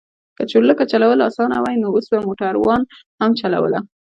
که چورلکه چلول اسانه وای نو اوس به موټروان هم چلوله.